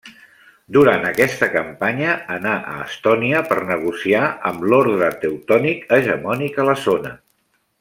Durant aquesta campanya, anà a Estònia per negociar amb l'Orde Teutònic, hegemònic a la zona.